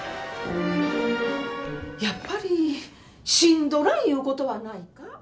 やっぱり死んどらんいうことはないか？